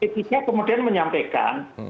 mp tiga kemudian menyampaikan